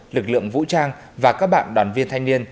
lực lượng vũ trang và các bạn đoàn viên thanh niên